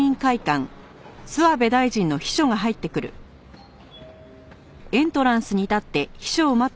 あっ。